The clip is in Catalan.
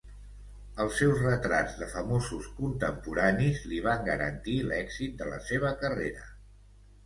Els seus retrats de famosos contemporanis li van garantir l'èxit de la seva carrera.